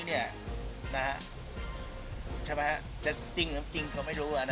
แต่จริงเขาไม่รู้